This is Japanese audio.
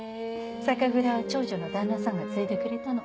酒蔵は長女の旦那さんが継いでくれたの。